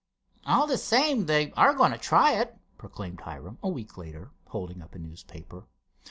"All the same, they are going to try it," proclaimed Hiram, a week later, holding up a newspaper.